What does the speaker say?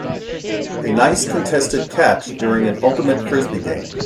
a nice contested catch during an ultimate Frisbee game.